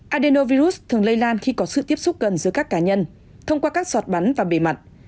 adenovirus thường lây lan khi có sự tiếp xúc gần giữa các cá nhân thông qua các sọt bắn và bề mặt